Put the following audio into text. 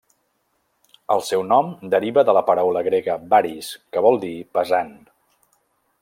El seu nom deriva de la paraula grega baris, que vol dir pesant.